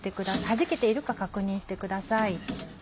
はじけているか確認してください。